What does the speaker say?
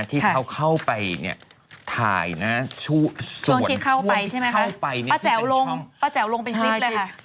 ที่เขาเข้าไปเนี่ยถ่ายนะช่วงที่เข้าไปป้าแจ๋วลงเป็นคลิปเลยค่ะ